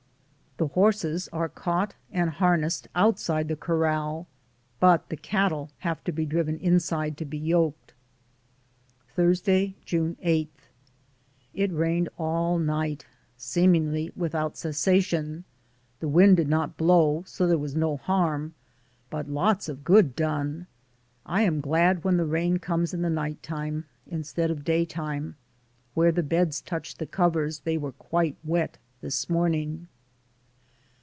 The horses are caught and harnessed outside the corral, but the cattle have to be driven inside to be yoked. Thursday, June 8. It rained all night, seemingly without ces sation; the wind did not blow, so there was no harm, but lots of good done. I am glad when the rain comes in the night time, instead of day time. Where the beds touched the covers they were quite wet this morning.